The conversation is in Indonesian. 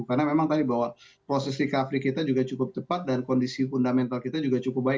karena memang tadi bahwa proses recovery kita juga cukup cepat dan kondisi fundamental kita juga cukup baik